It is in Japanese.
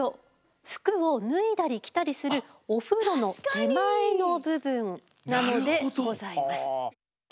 服を脱いだり着たりするお風呂の手前の部分なのでございます。